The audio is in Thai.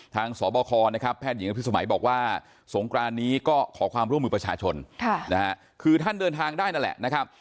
ทางสบคแพทย์หญิงอัพยุสมัยบอกว่าสงครานนี้ก็ขอความร่วมมือประชาชนคือท่านเดินทางได้นั่นแหละ